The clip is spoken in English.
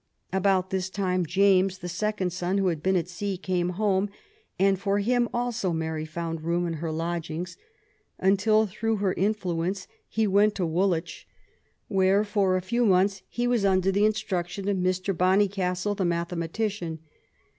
About this time James> the second son, who had been at sea, came home, and for him also Mary found room in her lodgings until, through her influence, he went to Woolwich, where for a few months he was under the instruction of Mr. Bonnycastle, the mathematician.